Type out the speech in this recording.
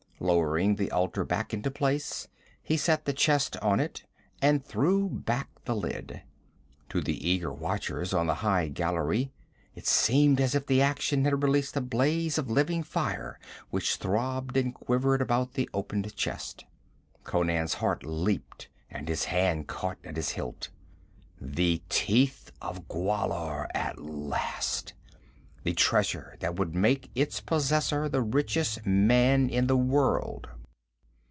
Lowering the altar back into place, he set the chest on it, and threw back the lid. To the eager watchers on the high gallery it seemed as if the action had released a blaze of living fire which throbbed and quivered about the opened chest. Conan's heart leaped and his hand caught at his hilt. The Teeth of Gwahlur at last! The treasure that would make its possessor the richest man in the world!